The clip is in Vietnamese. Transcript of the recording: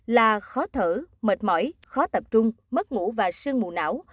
là khó thở mệt mỏi khó tập trung mất ngủ và sương mù não